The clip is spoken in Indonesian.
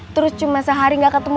terus cuma sehari nggak ketemu